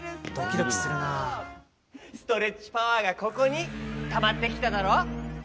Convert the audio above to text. ストレッチパワーがここにたまってきただろ？